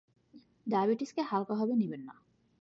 ডায়াবেটিসকে হালকাভাবে নিবেন না।